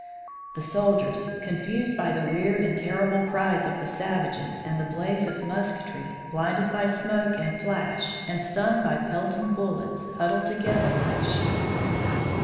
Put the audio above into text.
The soldiers, confused by the weird and terrible cries of the savages and the blaze of musketry, blinded by smoke and flash, and stung by pelting bullets, huddled together like sheep.